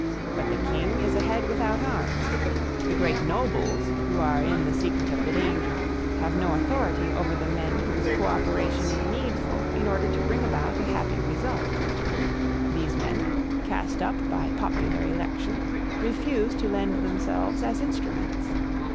But the King is a head without arms; the great nobles, who are in the secret of the danger, have no authority over the men whose co operation is needful in order to bring about a happy result. These men, cast up by popular election, refuse to lend themselves as instruments.